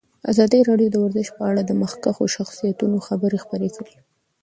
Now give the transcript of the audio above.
ازادي راډیو د ورزش په اړه د مخکښو شخصیتونو خبرې خپرې کړي.